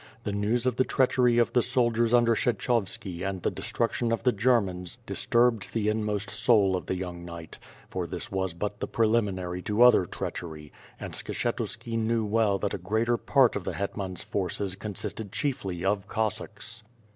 The news of the treachery of the soldiers under Kshechovski and the destruction of the Germans disturbed the inmost soul of the young knight, for this was but the preliminary to other treachery, and Skshetuski knew well that a greater part of the hetmans' forces consisted chiefly of Cossacks.